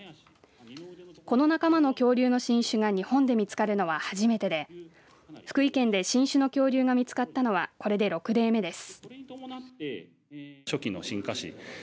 この仲間の恐竜の新種が日本で見つかるのは初めてで福井県で新種の恐竜が見つかったのはこれで６例目です。